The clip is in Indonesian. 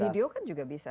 video kan juga bisa